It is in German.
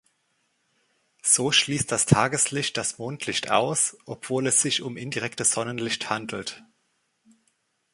So schließt das Tageslicht das Mondlicht aus, obwohl es sich um indirektes Sonnenlicht handelt.